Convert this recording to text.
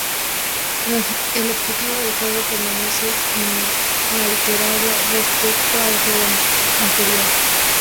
El objetivo del juego permanece inalterado respecto al juego anterior.